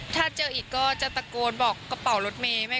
ถ้าเจออีกก็จะตะโกนบอกกระเป๋ารถเมย์